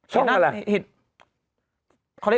ช่องอะไร